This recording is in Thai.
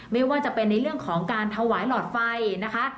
ไม่ว่าจะเป็นในเรื่องของการถวายหลอดไฟนะคะ